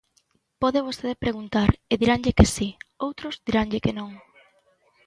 Pode vostede preguntar e diranlle que si; outros diranlle que non.